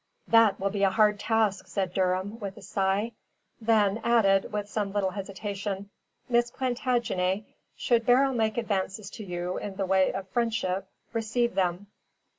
"That will be a hard task," said Durham, with a sigh; then added, with some little hesitation, "Miss Plantagenet, should Beryl make advances to you in the way of friendship receive them."